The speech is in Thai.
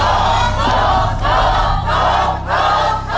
โธ่โธ่โธ่